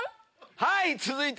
はい！